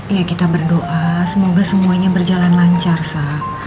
ya kita berdoa semoga semuanya berjalan lancar sah